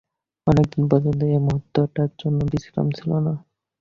অনেক দিন পর্যন্ত একমুহূর্তও তাঁহার বিশ্রাম ছিল না।